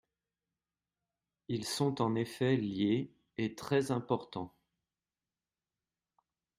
Ils sont en effet liés, et très importants.